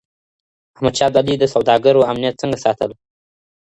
احمد شاه ابدالي د سوداګرو امنیت څنګه ساتلو؟